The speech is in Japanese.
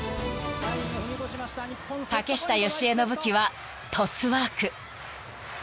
［竹下佳江の武器はトスワーク］